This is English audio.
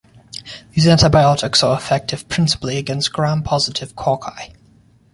These antibiotics are effective principally against Gram-positive cocci.